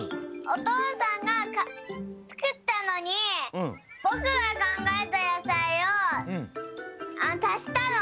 おとうさんがつくったのにぼくがかんがえたやさいをたしたの！